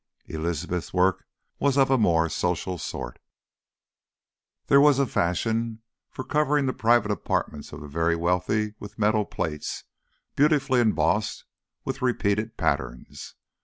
Elizabeth's work was of a more social sort. There was a fashion for covering the private apartments of the very wealthy with metal plates beautifully embossed with repeated patterns.